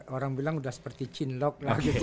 orang bilang udah seperti cinlok